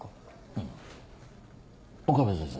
うん岡部先生